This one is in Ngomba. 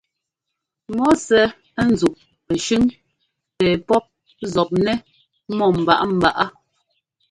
Mɔ sɛ́ ńzúꞌ pɛshʉ́ŋ pɛ pɔ́p zɔpnɛ́ mɔ́ mbaꞌámbaꞌá.